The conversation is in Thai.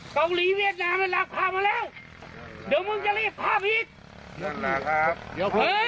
เกาหลีเวียดนามมาแล้วพามาแล้วเดี๋ยวมึงจะเรียกภาพอีก